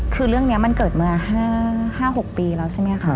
คือเรื่องนี้มันเกิดมา๕๖ปีแล้วใช่ไหมคะ